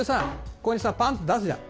ここにさぱんって出すじゃん。